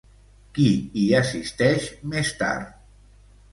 Qui hi assisteix més tard?